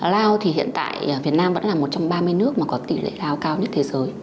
lao thì hiện tại việt nam vẫn là một trong ba mươi nước mà có tỷ lệ lao cao nhất thế giới